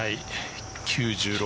９６